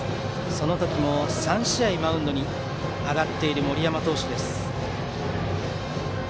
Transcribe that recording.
その時も３試合マウンドに上がっている森山投手。